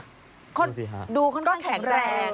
ดูสิฮะดูค่อนข้างแข็งแรง